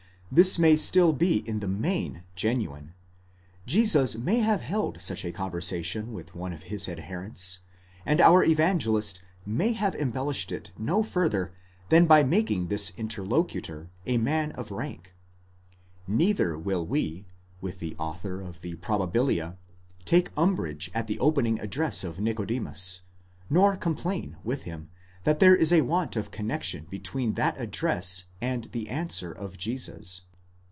This may still be in the main genuine; Jesus may have held such a conversation with one of 'his adherents, and our Evangelist may have embellished it no further than by making this interlocutor a man of rank. Neither will we, with the author of the Probabilia, take umbrage at the opening address of Nicodemus, nor complain, with him, that there is a want of connexion between that address and the answer of Jesus.